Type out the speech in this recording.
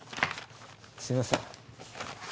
すいません。